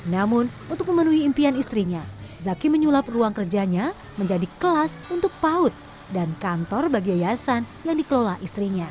namun untuk memenuhi impian istrinya zaki menyulap ruang kerjanya menjadi kelas untuk paut dan kantor bagi yayasan yang dikelola istrinya